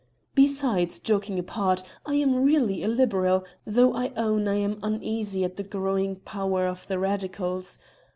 "Besides, joking apart, I am really a liberal, though I own I am uneasy at the growing power of the radicals.